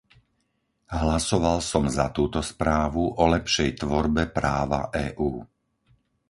Hlasoval som za túto správu o lepšej tvorbe práva EÚ.